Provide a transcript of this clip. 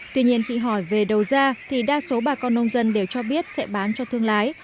tuy nhiên khi hỏi về đầu ra thì đa số bà con nông dân đều cho biết sẽ bán cho thương lái